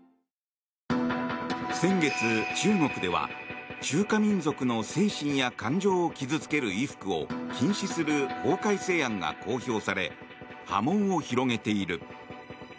先月、中国では中華民族の精神や感情を傷付ける衣服を禁止する法改正案が公表され波紋を広げている。